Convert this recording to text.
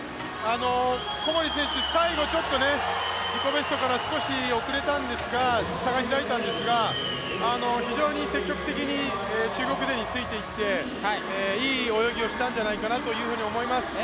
小堀選手、最後ちょっと自己ベストから少し遅れたんですが差が開いたんですが、非常に積極的に中国勢についていって、いい泳ぎをしたんじゃないかなと思います。